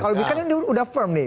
kalau gitu kan ini sudah firm nih